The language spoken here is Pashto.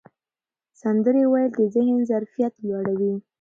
سندرې ویل د ذهن ظرفیت لوړوي.